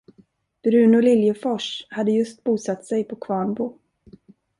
Bruno Liljefors hade just bosatt sig på Kvarnbo.